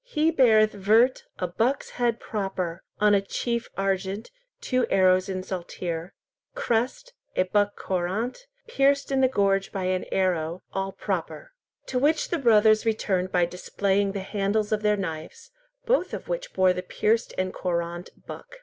"He beareth vert, a buck's head proper, on a chief argent, two arrows in saltire. Crest, a buck courant, pierced in the gorge by an arrow, all proper." To which the brothers returned by displaying the handles of their knives, both of which bore the pierced and courant buck.